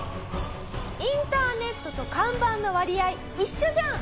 インターネットと看板の割合一緒じゃん！